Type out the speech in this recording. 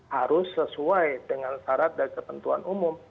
harus sesuai dengan syarat dan ketentuan umum